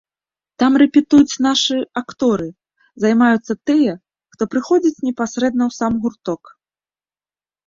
Там рэпетуюць нашы акторы, займаюцца тыя, хто прыходзіць непасрэдна ў сам гурток.